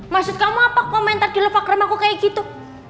maksud kamu apa komentar di love akram aku kaya gitu